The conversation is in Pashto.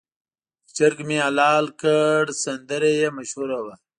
د چرګ مې حلال کړ سندره یې مشهوره وه.